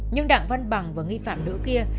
nhưng đặng văn bằng và nghi phạm nữ kia